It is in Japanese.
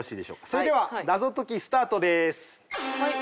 それでは謎解きスタートです。